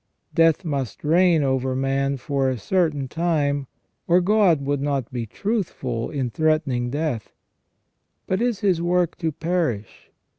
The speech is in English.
Death must reign over man for a certain time, or God would not be truthful in threatening death. But is His work to perish?